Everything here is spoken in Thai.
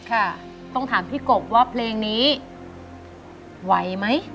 ค่ะต้องถามพี่กบว่าเพลงนี้ไหวไหม